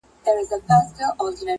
لکه څنګه چې د یوه ملت جوړونکو ته ښایي